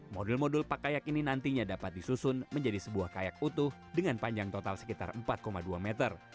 modul modul pakaian ini nantinya dapat disusun menjadi sebuah kayak utuh dengan panjang total sekitar empat dua meter